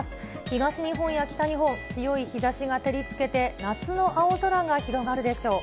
東日本や北日本、強い日ざしが照りつけて夏の青空が広がるでしょう。